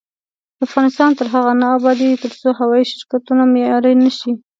افغانستان تر هغو نه ابادیږي، ترڅو هوايي شرکتونه معیاري نشي.